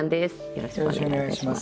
よろしくお願いします。